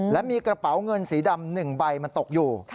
และมีกระเป๋าเงินสีดำ๑ใบมันตกอยู่